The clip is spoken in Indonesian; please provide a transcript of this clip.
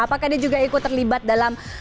apakah dia juga ikut terlibat dalam